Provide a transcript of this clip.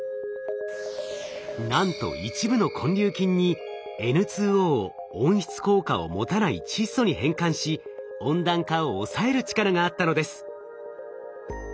なんと一部の根粒菌にＮＯを温室効果を持たない窒素に変換し温暖化を抑える力があったのです。